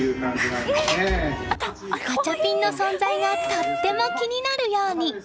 ガチャピンの存在がとても気になるように。